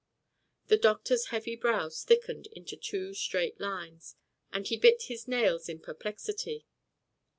The doctor's heavy brows thickened into two straight lines, and he bit his nails in perplexity.